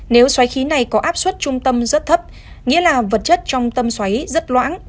nếu xoáy khí này có áp suất trung tâm rất thấp nghĩa là vật chất trong tâm xoáy rất loãng